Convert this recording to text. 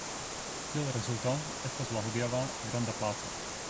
Kiel rezulto estas la hodiaŭa granda placo.